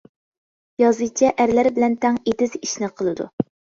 يازىچە ئەرلەر بىلەن تەڭ ئېتىز ئىشىنى قىلىدۇ.